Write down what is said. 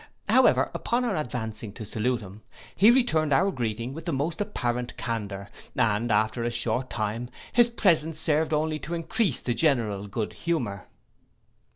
However, upon our advancing to salute him, he returned our greeting with the most apparent candour; and after a short time, his presence served only to encrease the general good humour.